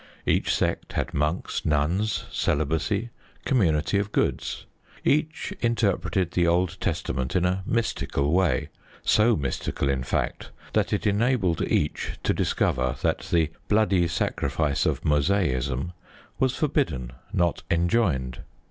Each sect had monks, nuns, celibacy, community of goods. Each interpreted the Old Testament in a mystical way so mystical, in fact, that it enabled each to discover that the bloody sacrifice of Mosaism was forbidden, not enjoined.